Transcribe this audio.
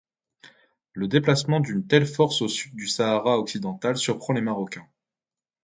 Le déplacement d'une telle force au sud du Sahara occidental surprend les Marocains.